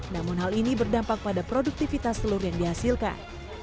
namun hal ini berdampak pada produktivitas telur yang dihasilkan